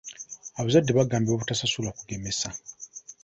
Abazadde bagambibwa obutasasulira kugemesa.